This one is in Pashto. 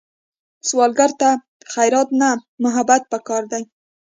سوالګر ته خیرات نه، محبت پکار دی